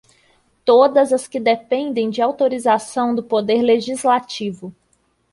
Todas as que dependem de autorização do Poder Legislativo.